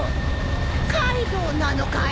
カイドウなのかい？